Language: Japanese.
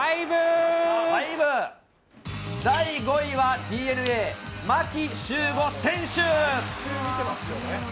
第５位はＤｅＮＡ、牧秀悟選手。